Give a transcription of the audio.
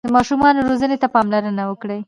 د ماشومانو روزنې ته پاملرنه وکړئ.